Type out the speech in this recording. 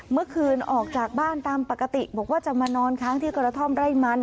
เมื่อคืนออกจากบ้านตามปกติบอกว่าจะมานอนค้างที่กระท่อมไร่มัน